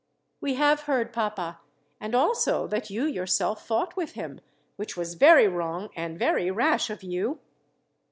"We have heard, papa, and also that you yourself fought with him, which was very wrong and very rash of you."